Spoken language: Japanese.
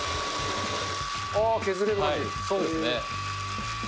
あー、そうですね。